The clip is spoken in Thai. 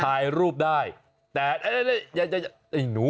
ถ่ายรูปได้แต่เอ้ยไอหนูอะไอหนู